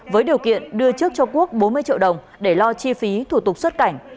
với điều kiện đưa trước cho quốc bốn mươi triệu đồng để lo chi phí thủ tục xuất cảnh